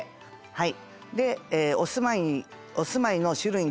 はい。